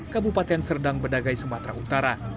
kabupaten serdang bedagai sumatera utara